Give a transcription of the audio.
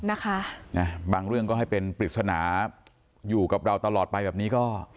นะคะบางเรื่องก็ให้เป็นปริศนาอยู่กับเราตลอดไปแบบนี้ก็